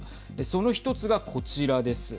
その１つがこちらです。